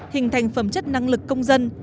hình thành phẩm chất năng lực công dân